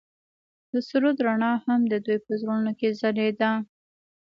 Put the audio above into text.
د سرود رڼا هم د دوی په زړونو کې ځلېده.